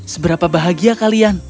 seberapa bahagia kalian